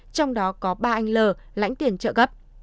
trong đó có ba anh l lãnh tiền trợ cấp